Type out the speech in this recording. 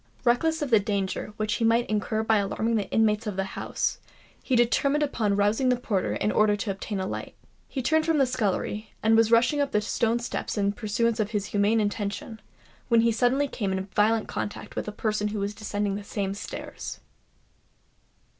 Reckless of the danger which he might incur by alarming the inmates of the house, he determined upon rousing the porter in order to obtain a light. He turned from the scullery, and was rushing up the stone steps in pursuance of his humane intention, when he suddenly came in violent contact with a person who was descending the same stairs.